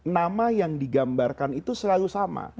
nama yang digambarkan itu selalu sama